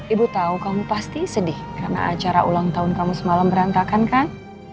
ibu tahu kamu pasti sedih karena acara ulang tahun kamu semalam berantakan kan